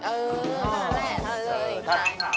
เออนั่นแหละ